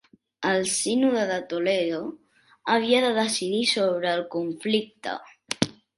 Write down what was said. El Sínode de Toledo havia de decidir sobre el conflicte.